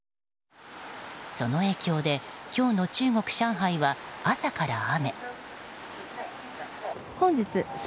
その影響で今日の中国・上海は朝から雨。